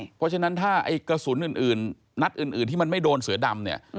เพราะฉะนั้นถ้าไอ้กระสุนอื่นนัดอื่นที่มันไม่โดนเสือดำเนี่ย